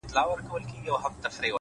هر منزل نوی مسؤلیت درسپاري’